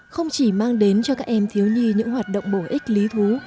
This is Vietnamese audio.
không chỉ mang đến cho các em thiếu nhi những hoạt động bổ ích lý thú